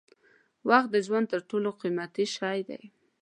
وخت د ژوند تر ټولو قیمتي شی دی.